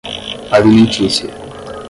alimentícia